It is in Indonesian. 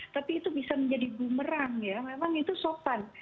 tapi itu bisa menjadi bumerang ya memang itu sopan